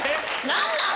何なん？